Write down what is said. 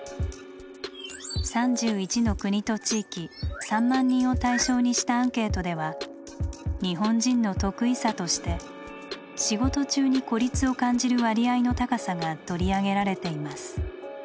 ３１の国と地域３万人を対象にしたアンケートでは「日本人の特異さ」として「仕事中に孤立を感じる」割合の高さが取り上げられています。